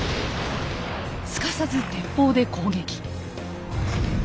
すかさず鉄砲で攻撃。